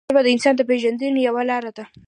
ژبه د انسان د پېژندنې یوه لاره ده